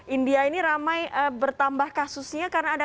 india ini ramai bertambah kasusnya